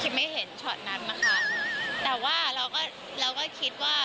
คิมไม่เห็นชอตนั้นนะคะแต่ว่าเราก็คิดว่า